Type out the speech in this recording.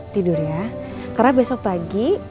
tidur ya karena besok pagi